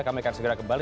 kami akan segera kembali